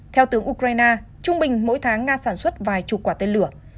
theo tướng ukraine trung bình mỗi tháng nga sản xuất vài chục quả tên lửa